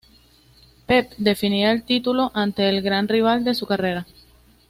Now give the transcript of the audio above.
Pep defendía el título ante el gran rival de su carrera.